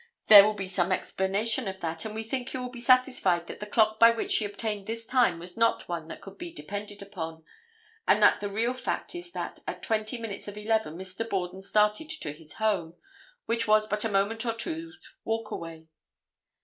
There will be some explanation of that, and we think you will be satisfied that the clock by which she obtained this time was not one that could be depended upon, and that the real fact is that at twenty minutes of 11 Mr. Borden started to his home, which was but a moment or two's walk away.